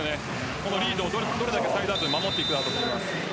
このリードをどれだけ守っていくかだと思います。